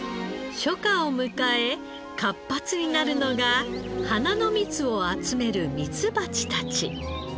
初夏を迎え活発になるのが花の蜜を集めるミツバチたち。